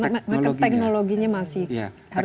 karena teknologinya masih harus kita kuasai